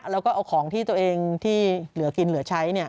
แล้วก็เอาของที่ตัวเองที่เหลือกินเหลือใช้